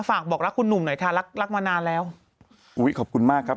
ฝากบอกรักคุณหนุ่มหน่อยค่ะรักรักมานานแล้วอุ้ยขอบคุณมากครับ